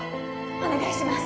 お願いします！